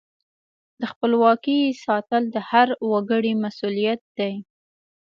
د خپلواکۍ ساتل د هر وګړي مسؤلیت دی.